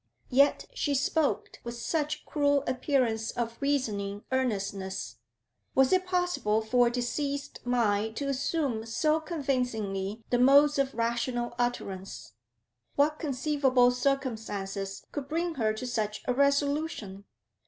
Yet she spoke with such cruel appearance of reasoning earnestness; was it possible for a diseased mind to assume so convincingly the modes of rational utterance? What conceivable circumstances could bring her to such a resolution?